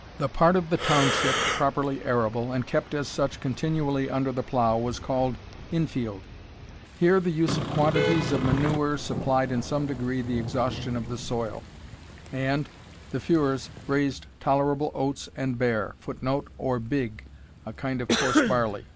The part of the Township properly arable, and kept as such continually under the plough, was called in field. Here the use of quantities of manure supplied in some degree the exhaustion of the soil, and the feuars raised tolerable oats and bear, [Footnote: Or bigg, a kind of coarse barley.